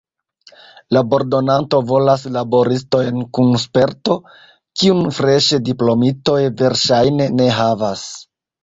Labordonanto volas laboristojn kun sperto, kiun freŝe diplomitoj verŝajne ne havas.